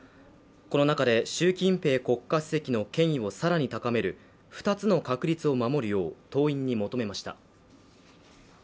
この中で、習近平国家主席の権威を更に高める二つの確立を守るよう党員に求めました。